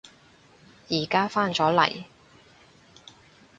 而家返咗嚟